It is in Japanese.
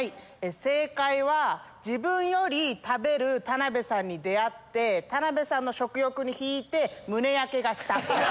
正解は自分より食べる田辺さんに出会って田辺さんの食欲に引いて胸焼けがした。